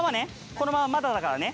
このまままだだからね。